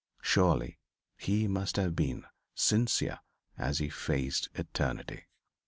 Surely he must have been sincere as he faced eternity.